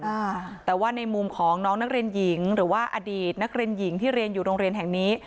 อ่าแต่ว่าในมุมของน้องนักเรียนหญิงหรือว่าอดีตนักเรียนหญิงที่เรียนอยู่โรงเรียนแห่งนี้